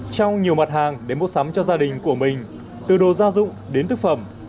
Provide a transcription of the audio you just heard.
trong nhiều mặt hàng để mua sắm cho gia đình của mình từ đồ gia dụng đến thức phẩm